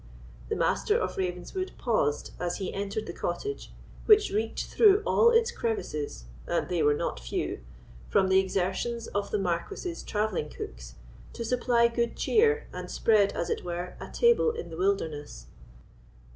The Master of Ravenswood paused as he entered the cottage, which reeked through all its crevices, and they were not few, from the exertions of the Marquis's travelling cooks to supply good cheer, and spread, as it were, a table in the wilderness.